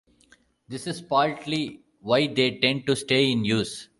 This is partly why they tend to stay in use.